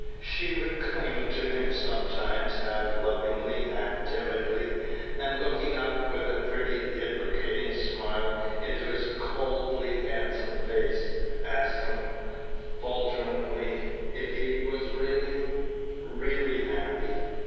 She would cling to him sometimes half lovingly, half timidly, and, looking up with a pretty, deprecating smile into his coldly handsome face, ask him, falteringly, if he was really, REALLY happy.